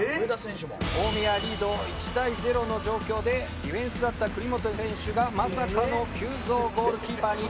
大宮リード１対０の状況でディフェンスだった栗本選手がまさかの急造ゴールキーパーに。